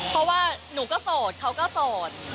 เพราะว่าหนูก็โสดเขาก็โสด